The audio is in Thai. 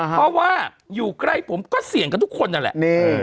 เพราะว่าอยู่ใกล้ผมก็เสี่ยงกับทุกคนนั่นแหละ